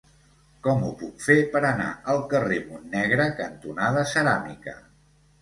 Com ho puc fer per anar al carrer Montnegre cantonada Ceràmica?